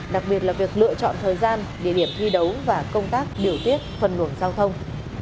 đặc biệt là việc lựa chọn thời gian địa điểm thi đấu và công tác điều tiết phân luồng giao thông